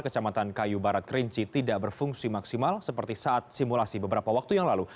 kecamatan kayu barat kerinci tidak berfungsi maksimal seperti saat simulasi beberapa waktu yang lalu